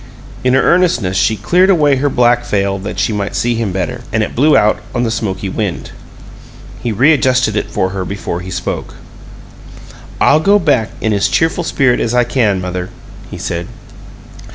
In her earnestness she cleared away her black veil that she might see him better, and it blew out on the smoky wind. He readjusted it for her before he spoke. "I'll go back in as cheerful a spirit as I can, mother," he said.